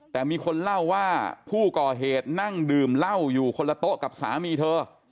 แต่มีคนเล่าว่าผู้ก่อเหตุนั่งดื่มเหล้าอยู่คนละโต๊ะกับสามีเธอ